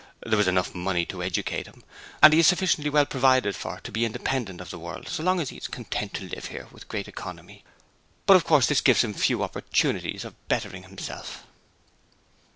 There was enough money to educate him, and he is sufficiently well provided for to be independent of the world so long as he is content to live here with great economy. But of course this gives him few opportunities of bettering himself.'